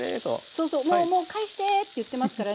そうそう「もうもう返して」って言ってますからね。